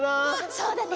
そうだね。